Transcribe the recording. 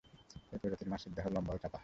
এই প্রজাতির মাছের দেহ লম্বা ও চাপা।